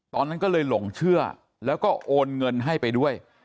ตอนนั้นก็เลยหลงเชื่อแล้วก็โอนเงินให้ไปด้วย